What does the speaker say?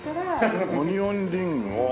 オニオンリングを。